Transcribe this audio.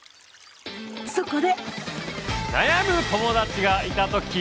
そこで！